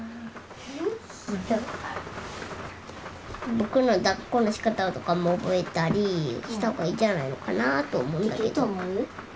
ひどい僕のだっこのしかたとかも覚えたりした方がいいんじゃないのかなと思うんだけどできると思う？